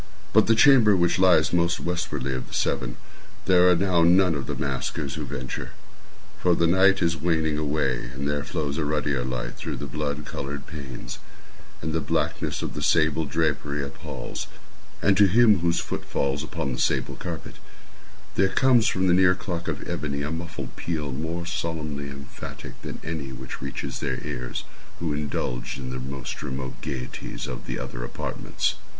But to the chamber which lies most westwardly of the seven, there are now none of the maskers who venture; for the night is waning away; and there flows a ruddier light through the blood colored panes; and the blackness of the sable drapery appals; and to him whose foot falls upon the sable carpet, there comes from the near clock of ebony a muffled peal more solemnly emphatic than any which reaches their ears who indulge in the more remote gaieties of the other apartments.